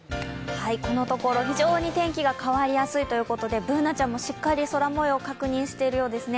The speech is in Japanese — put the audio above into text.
このところ非常に天気が変わりやすいということでＢｏｏｎａちゃんもしっかり空もよう確認しているようですね。